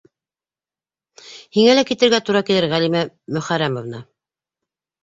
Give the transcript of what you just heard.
Һиңә лә китергә тура килер, Ғәлимә Мөхәрпәмовна.